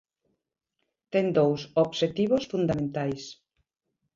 Ten dous obxectivos fundamentais.